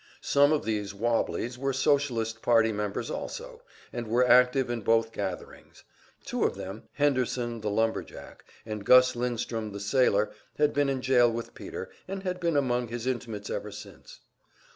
Some of these "wobblies" were Socialist party members also, and were active in both gatherings; two of them, Henderson, the lumber jack, and Gus Lindstrom, the sailor, had been in jail with Peter, and had been among his intimates ever since.